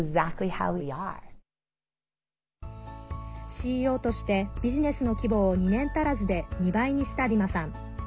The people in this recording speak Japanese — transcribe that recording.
ＣＥＯとしてビジネスの規模を２年足らずで２倍にしたリマさん。